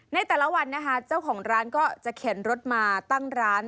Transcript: ในแต่ละวันนะคะเจ้าของร้านก็จะเข็นรถมาตั้งร้าน